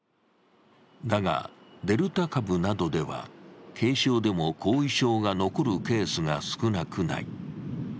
だが、デルタ株などでは軽症でも後遺症が残るケースが少なくない。